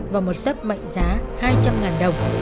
và một sấp mạnh giá hai trăm linh đồng